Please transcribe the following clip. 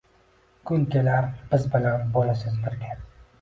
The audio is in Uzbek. Kun kelar, biz bilan bo’lasiz birga